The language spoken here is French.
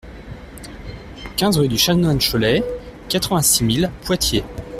quinze rue du Chanoine Chollet, quatre-vingt-six mille Poitiers